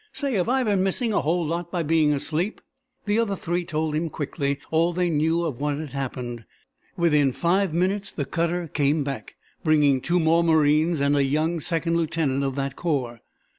"Say, have I been missing a whole lot by being asleep?" The other three told him quickly all they knew of what had happened. Within five minutes the cutter came back, bringing two more marines and a young second lieutenant of that corps.